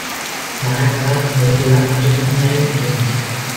Banaka bat geratu da entzule finarena eginez.